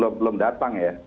oke belum datang